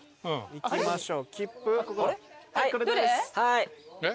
行きましょう。